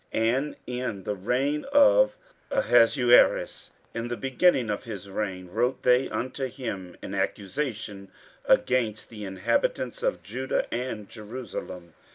15:004:006 And in the reign of Ahasuerus, in the beginning of his reign, wrote they unto him an accusation against the inhabitants of Judah and Jerusalem.